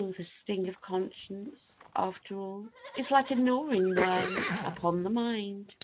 the sting of conscience, after all, Is like a gnawing worm upon the mind.